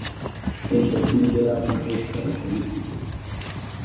El perfil del arma es característico.